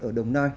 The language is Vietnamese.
ở đồng nai